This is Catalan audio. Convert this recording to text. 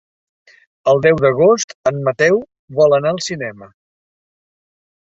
El deu d'agost en Mateu vol anar al cinema.